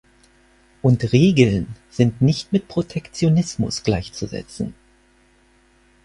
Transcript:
Und Regeln sind nicht mit Protektionismus gleichzusetzen.